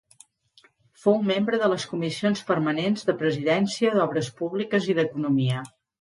Fou membre de les comissions permanents de Presidència, d'Obres Públiques i d'Economia.